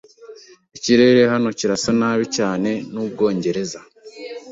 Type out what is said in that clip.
Ikirere hano kirasa cyane n’Ubwongereza.